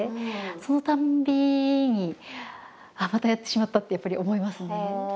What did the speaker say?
そのたんびにああまたやってしまったってやっぱり思いますね。